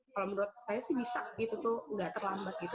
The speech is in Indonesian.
kalau menurut saya sih bisa gitu tuh nggak terlambat gitu